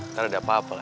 ntar ada apa apa lagi